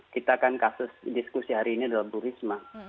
kita kan kasus diskusi hari ini adalah bu risma